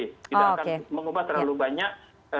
tidak akan mengubah terlalu banyak